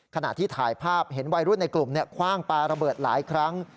ขณะที่ถ่ายภาพเห็นวัยรุ่นในกลุ่มคว่างปลาระเบิดหลายครั้ง